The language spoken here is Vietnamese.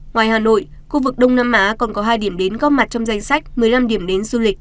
ngoài hà nội khu vực đông nam á còn có hai điểm đến góp mặt trong danh sách một mươi năm điểm đến du lịch